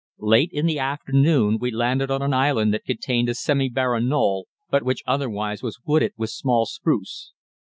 Late in the afternoon we landed on an island that contained a semi barren knoll, but which otherwise was wooded with small spruce.